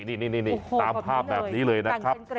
นี่ตามภาพแบบนี้เลยนะครับ